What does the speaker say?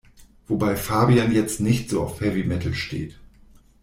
Wobei Fabian jetzt nicht so auf Heavy Metal steht.